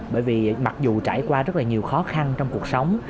bởi vì mặc dù trải qua rất là nhiều khó khăn trong cuộc sống